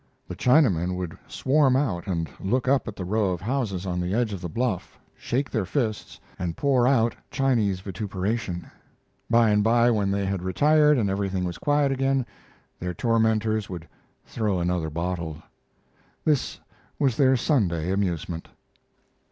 The Chinamen would swarm out and look up at the row of houses on the edge of the bluff, shake their fists, and pour out Chinese vituperation. By and by, when they had retired and everything was quiet again, their tormentors would throw another bottle. This was their Sunday amusement.